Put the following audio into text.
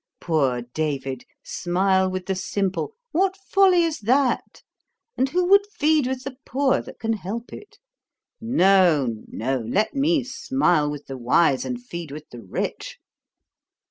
Poor David! Smile with the simple; What folly is that? And who would feed with the poor that can help it? No, no; let me smile with the wise, and feed with the rich.'